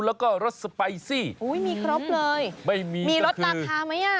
แล้วก็รสสไปซี่มีครบเลยมีรสราคามั้ย